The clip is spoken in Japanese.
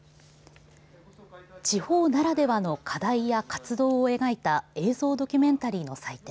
地方ならではの課題や活動を描いた映像ドキュメンタリーの祭典